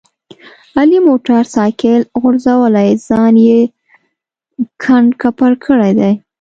علي موټر سایکل غورځولی ځان یې کنډ کپر کړی دی.